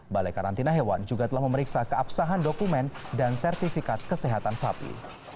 balai karantina hewan juga telah memeriksa keabsahan dokumen dan sertifikat kesehatan sapi